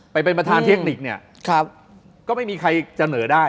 ไปเป็นประธานเทคนิคเนี่ยก็ไม่มีใครเสนอได้